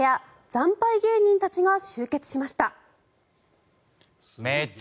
惨敗芸人たちが集結しました。